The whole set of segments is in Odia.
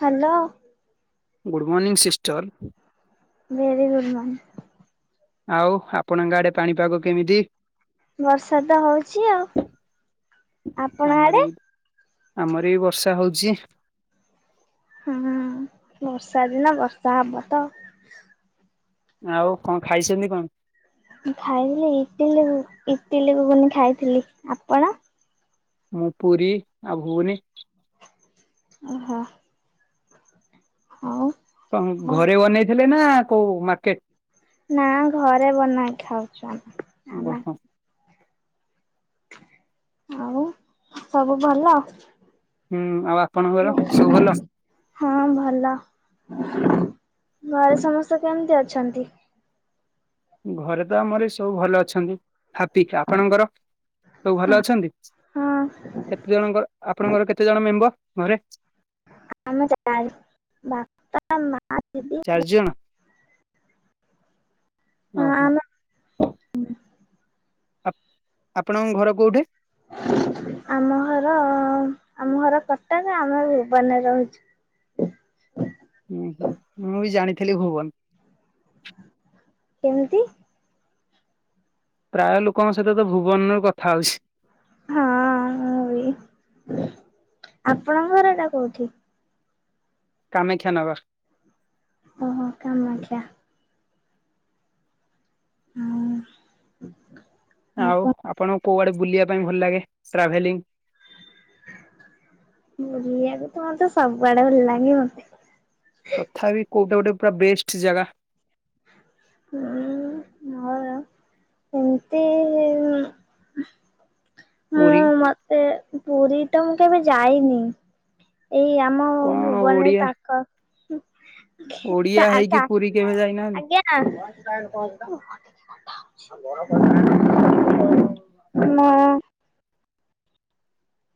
Hello. Good morning sister. Very good morning. ଆଉ ଆପଣଙ୍କ ଆଡେ ପାଣିପାଗ କେମିତି? ବର୍ଷା ତ ହଉଚି ଆଉ ଆପଣ ଆମର ଆଡେ? ବି ଆମର ବି ବର୍ଷା ହଉଛି। ହୁଁ ବର୍ଷା ଦିନ ବର୍ଷା ହବ ତ। ଆଉ କଣ ଖାଇଛନ୍ତି କଣ? ମୁଁ ଖାଇଥିଲି ଇଟିଲି, ଇଟିଲି ଗୁଗୁନି ଖାଇଥିଲି। ଆପଣ? ମୁଁ ପୁରୀ ଆଉ ଘୁଗୁନି। ଓହୋ। ଆଉ। ଘରେ ବନେଇଥିଲେ ନା କୋଉ ମାର୍କେଟ? ନା ଘରେ ବନେଇ ଖାଉଛୁ ଆମେ ଆମେ ଓହୋ ଆଉ ସବୁ ଭଲ? ହୁଁ ଆଉ ଆପଣଙ୍କର ସବୁ ଭଲ? [inaudible] ହଁ ଭଲ। ଘରେ ସମସ୍ତେ କେମିତି ଅଛନ୍ତି? ଘରେ ତ ଆମର ବି ସବୁ ଭଲ ଅଛନ୍ତି। ହାପିକ ଆପଣଙ୍କର ସବୁ ଭଲ ଅଛନ୍ତି ହଁ କେତେ ଜଣଙ୍କ ଆପଣଙ୍କର କେତେ ଜଣ ମେମ୍ବର ଘରେ? ଆମ ଚାରି ବା ଚାରି ଜଣ। ଓ ହୋ ହୁଁ। ଆପଣଙ୍କ ଘର କୋଉଠି? ଆମ ଘର ଆମ ଘର କଟକ ଆମେ ଭୁବନରେ ରହୁଛୁ। ହୁଁ ହୁଁ ମୁଁ ବି ଜାଣିଥିଲି ଭୁବନ। କେମିତି? ପ୍ରାୟ ଲୋକଙ୍କ ସହିତ ତ ଭୁବନରୁ କଥା ହଉଛି। ହଁ [unintelligible] ଆପଣଙ୍କ ଘର ଟା କୋଉଠି? କମେକ୍ଷ୍ୟା ନଗର। ଓହୋ କାମାଖିଆ। ଆଉ ଆଉ କଣ? ଆପଣଙ୍କୁ କୋଉଆଡେ ବୁଲିବା ପାଇଁ ଭଲ ଲାଗେ ଟ୍ରାଭେଲିଙ୍ଗ? ବୁଲିବାକୁ ତ ମତେ ସବୁଆଡେ ଭଲ ଲାଗେ ମତେ ତଥାପି କୋଉଟା ଗୋଟେ ପୁରା ବେଷ୍ଟ ଜାଗା। ହୁଁ ଏମିତି ମୁଁ ପୁରୀ ମତେ ପୁରୀ ଟ ମୁଁ କେବେ ଯାଇନି। ଏଇ ଆମ କଣ ଭୁବନେ ଓଡିଆ ପାଖ ଟା ଓଡିଆ ହେଇକି ଟା ପୁରୀ କେବେ ଯାଇନାହାନ୍ ଆଜ୍ଞା। [inaudible]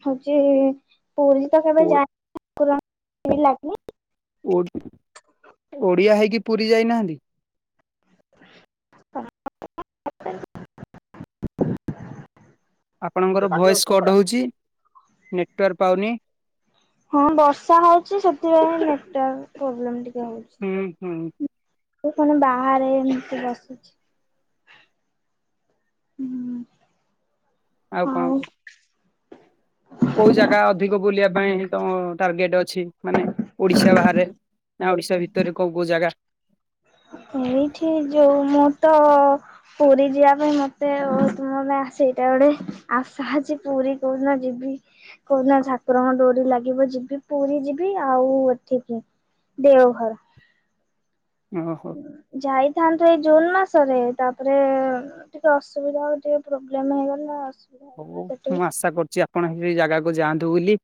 ହଉଚି ପୁରୀ ତ କେବେ ଓ [inaudible] ଲାଗିନି ଓ ଓଡ଼ିଆ ହେଇକି ପୁରୀ ଯାଇନାହାନ୍ତି। [inaudible] ଆପଣଙ୍କର ଭଏସ୍ କଟ୍ ହଉଚି ନେଟୱାର୍କ ପାଉନି। ହଁ ବର୍ଷା ହଉଚି ସେଥିପାଇଁ ନେଟୱାର୍କ ପ୍ରୋବ୍ଲେମ ଟିକେ ହଉ ହୁଁ ହୁଁ। ଫୁଣି ବାହାରେ ଏମିତି ବସୁଛି ହୁଁ। ଆଉ କଣ କୁହ। କୋଉ ଜାଗା ଅଧିକ ବୁଲିବା ପାଇଁ ତମ ଟାର୍ଗେଟେ ଅଛି ମାନେ ଓଡିଶା ବାହାରେ? ନା ଓଡିଶା ଭିତରେ କୋଉ କୋଉ ଜାଗା? ଏଇଠି ଯୋଉ ମୁଁ ତ ପୁରୀ ଯିବା ପାଇଁ ମୋତେ [unintelligible] ସେଇଟା ଗୋଟେ ଆଶା ଅଛି ପୁରୀ କଉଦିନ ଯିବି। କଉନା ଝାକୁରଙ୍କ ଡୋରି ଲାଗିବ ଯିବି ପୁରୀ ଯିବି ଆଉ ଏଠିକି ଦେଓଘର। ଓଃ ଯାଇଥାନ୍ତୁ ଏଇ ଜୁନ ମାସରେ ତାପରେ ଟିକେ ଅସୁବିଧା ଆଉ ଟିକେ ପ୍ରୋବ୍ଲେମ ହେଇଗଲା ହେଇଗଲା ହଉ ସେଠୁ ମୁଁ ଆଶା କରୁଚି ଆପଣ ହେଇ ଜାଗାକୁ ଯାଆନ୍ତୁ ବୋଲି।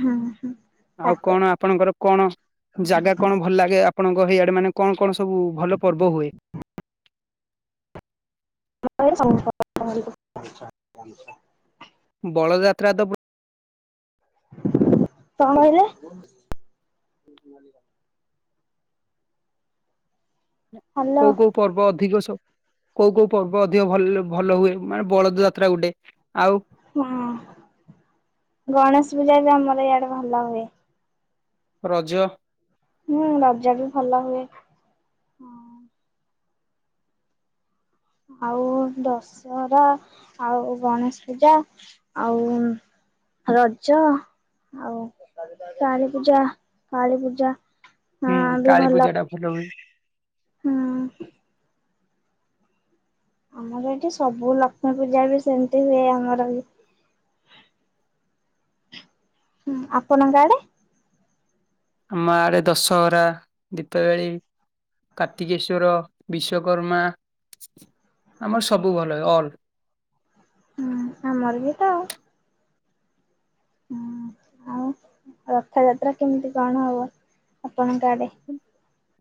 ହୁଁ। ଆଉ କଣ ଆପଣଙ୍କର କଣ ଜାଗା କଣ ଭଲ ଲାଗେ ଆପଣଙ୍କ ହିଆଡେ ମାନେ କଣ କଣ ସବୁ ଭଲ ପର୍ବ ହୁଏ? [inaudible] ଧସ ବଳଯାତ୍ରା ତ କଁ କହିଲେ? [inaudible] ହ୍ୟାଲୋ କୋଉ କୋଉ ପର୍ବ ଅଧିକ ସୋ କୋଉ କୋଉ ପର୍ବ ଅଧିକ ଭଲ ଭଲ ହୁଏ ମାନେ ବଳଦ ଯାତ୍ରା ଗୋଟେ ଆଉ ହଁ ଗଣେଶ ପୂଜା ବି ଆମର ଇଆଡେ ଭଲ ହୁଏ। ରଜ ହୁଁ ରଜ ବି ଭଲ ହୁଏ। ଆଉ ଦଶହରା ଆଉ ଗଣେଶ ପୂଜା ଆଉ ରଜ ଆଉ କାଳୀପୂଜା କାଳୀପୂଜା ହଁ ହୁଁ ବି କାଳୀ ଭଲ ପୂଜା ଟା ହୁଏ। ହୁଁ ଆମର ଏଇଠି ସବୁ ଲକ୍ଷ୍ମୀ ପୂଜା ବି ସେମିତି ହୁଏ ଆମର ବି ହୁଁ ଆପଣଙ୍କ ଆଡେ? ଆମ ଆଡେ ଦଶହରା ଦୀପାବେଳୀ କାର୍ତ୍ତିକେଶ୍ଵର, ବିଶ୍ଵକର୍ମା ଆମର ସବୁ ଭଲ ହୁଏ ଅଲ୍ ହୁଁ ଆମର ବି ତ ହୁଁ ଆଉ ରଥଯାତ୍ରା କେମିତି କଣ ହବ ଆପଣଙ୍କ ଆଡେ?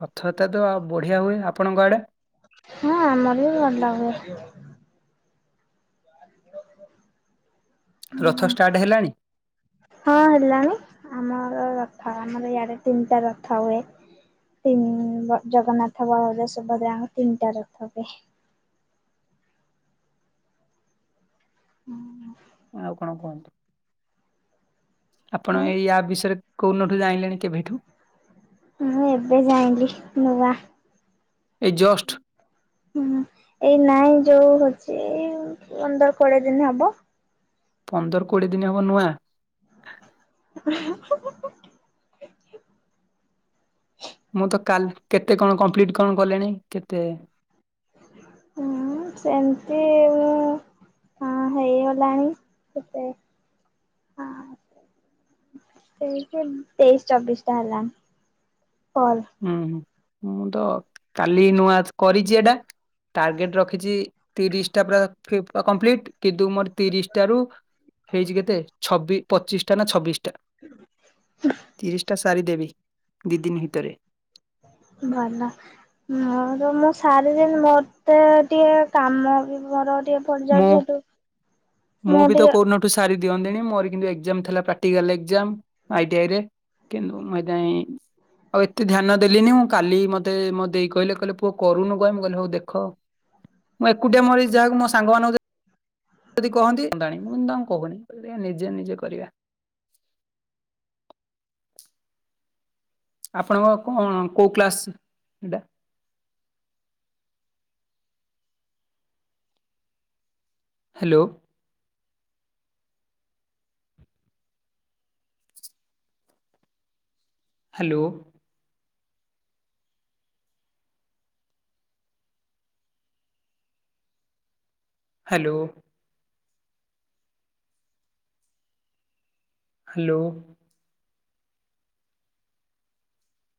ରଥଯାତ୍ରା ତ ଆଉ ବଢ଼ିଆ ହୁଏ। ଆପଣଙ୍କ ଆଡ଼େ? ହଁ ଆମର ବି ଭଲ ହୁଏ। [unintelligible] ରଥ ଷ୍ଟାର୍ଟ ହେଲାଣି? ହଁ ହେଲାଣି ଆମର ରଥ ଆମର ଇଆଡ଼େ ତିନିଟା ରଥ ହୁଏ। ତିନ୍ ଜଗନ୍ନାଥ, ବଳଭଦ୍ର, ସୁଭଦ୍ରା ତିନିଟା ରଥ ହୁଏ। ହୁଁ ଆଉ କଣ କୁହନ୍ତୁ ଆପଣ ଆଉ ଏଇ ଆପ ବିଷୟରେ କୋଉନଠୁ ଜାଣିଲେଣି କେବେଠୁ? ମୁଁ ଏବେ ଜାଇଁଲିି ନୂଆ ଏଇ ଜଷ୍ଟ ହୁଁ ଏଇ ନାଇଁ ଯୋଉ ହଉଚି ଇ ଏଇ ପନ୍ଦର କୋଡିଏ ଦିନ ହବ। ପନ୍ଦର କୋଡ଼ିଏ ଦିନ ହବ ନୂଆ ହୁଁ ହୁଁ ହୁଁ ହୁଁ ମୁଁ ତ କାଲି କେତେ କଣ କମ୍ପ୍ଲିଟ୍ କଣ କଲେଣି କେତେ? ହଁ ସେମିତି ହଁ ହେଇଗଲାଣି କେତେ? ସେଇ ତେଇଶ ଚବିଶଟା ହେଲାଣି କଲ ହୁଁ ହୁଁ ମୁଁ ତ କାଲି ନୂଆ କରିଚି ଏଟା ଟାର୍ଗେଟ ରଖିଛି ତିରିଶଟା ପୁରା ଫିଫ୍ କମ୍ପ୍ଲିଟ କିନ୍ତୁ ମୋର ତିରିଶଟାରୁ ହେଇଚି କେତେ ଛବିଶ ପଚିଶଟା ନା ଛବିଶ ଟା ତିରିଶଟା ସାରିଦେବି ଦି ଦିନ ଭିତରେ ଭଲ ମୋର ର ମୁଁ ସାରିଦେବି ମତେ ଟିକେ କାମ ବି ମୋର ଟିକେ ପଡି ମୁଁ ଯାଉଛି ହେଠୁ ମୁଁ ଟିକେ [unintelligible] ସାରି ଦିଅନ୍ତିଣି ମୋର କିନ୍ତୁ ଏକ୍ଜାମ ଥିଲା practical exam I T I ରେ କିନ୍ତୁ ମୁଁ ଏଥିପାଇଁ ଆଉ ଏତେ ଧ୍ୟାନ ଦେଲିନି ମୁଁ କାଲି ମତେ ମୋ ଦେଇ କହିଲେ ପୁଅ କରୁନୁ କାଇଁ ମୁଁ କହିଲି ହଉ ଦେଖ ମୁଁ ଏକୁଟିଆ ମରେ ଯାହାକୁ ମ ସାଙ୍ଗମାନଙ୍କୁ ଯଦି କହନ୍ତି ସରନ୍ତାଣି ମୁଁ କିନ୍ତୁ କହୁନି ଦେଖିବା ନିଜେ ନିଜେ କରିବା ଆପଣଙ୍କ କଣ କୋଉ କ୍ଲାସ୍ ଏଇଟା? ହ୍ୟାଲୋ। ହ୍ୟାଲୋ। ହ୍ୟାଲୋ। ହ୍ୟାଲୋ।